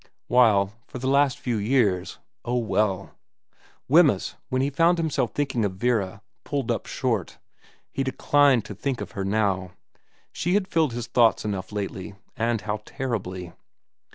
While for the last few years oh, well. Wemyss, when he found himself thinking of Vera, pulled up short. He declined to think of her now. She had filled his thoughts enough lately, and how terribly.